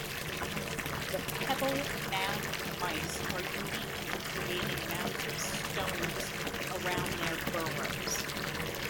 The pebble-mound mice are unique in creating mounds of stones around their burrows.